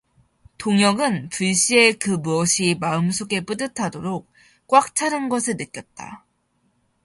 동혁은 불시에 그 무엇이 마음속에 뿌듯하도록 꽉차는 것을 느꼈다.